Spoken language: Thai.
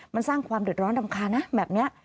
มันสร้างความเดือดร้อนรำคาญนะแบบนี้